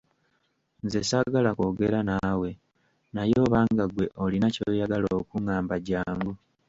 Nze saagala kwogera naawe, naye oba nga ggwe olina ky'oyagala okungamba jjangu.